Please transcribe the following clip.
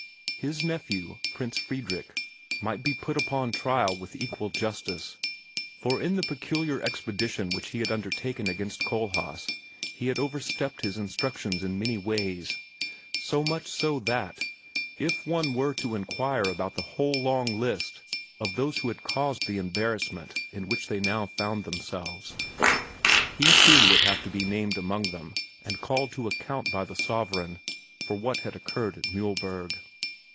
His nephew, Prince Friedrich, might be put upon trial with equal justice, for in the peculiar expedition which he had undertaken against Kohlhaas he had over stepped his instructions in many ways so much so that, if one were to inquire about the whole long list of those who had caused the embarrassment in which they now found themselves, he too would have to be named among them and called to account by the sovereign for what had occurred at Mühlberg.